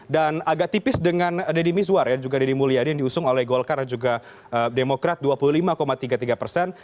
dan agak tipis dengan deddy mizwar yang juga deddy mulyadi yang diusung oleh golkar dan juga demokrat dua puluh lima tiga puluh tiga persen